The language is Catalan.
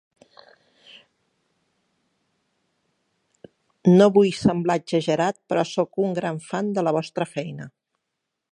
No vull semblar exagerat però sóc un gran fan de la vostra feina.